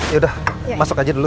ya udah masuk aja dulu